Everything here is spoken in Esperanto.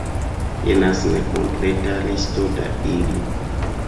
Jenas nekompleta listo da ili.